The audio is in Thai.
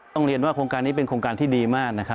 ต้องเห็นว่าโครงการนี้เป็นโครงการที่ดีมาก